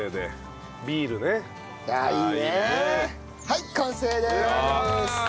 はい完成です！